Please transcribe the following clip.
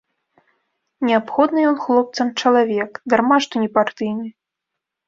Неабходны ён хлопцам чалавек, дарма што непартыйны.